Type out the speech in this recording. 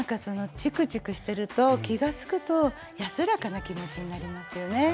ちくちくしてると気が付くと安らかな気持ちになりますよね。